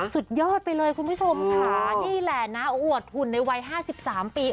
สุดยอดไปเลยคุณผู้ชมค่ะนี่แหละนะอวดหุ่นในวัย๕๓ปี